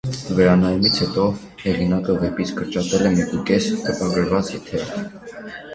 Վերանայումից հետո հեղինակը վեպից կրճատել է մեկուկես տպագրված թերթ։